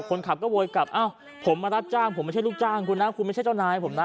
คนขับก็โวยกลับอ้าวผมมารับจ้างผมไม่ใช่ลูกจ้างคุณนะคุณไม่ใช่เจ้านายผมนะ